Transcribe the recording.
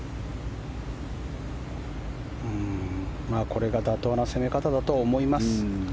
これが妥当な攻め方だとは思います。